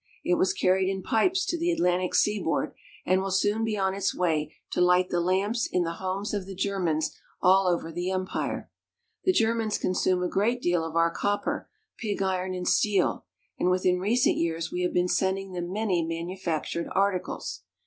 It was carried in pipes to the Atlantic seaboard, and will soon be on its way to light the lamps in the homes of the Germans all over the empire. The Germans consume a great deal of our copper, pig iron, and steel, and within recent years we have been sending them many manufactured articles.